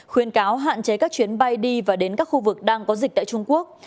khuyên cáo hạn chế các chuyến bay đi và đến các khu vực đang có dịch tại trung quốc